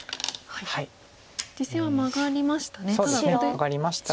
実戦はマガりましたね。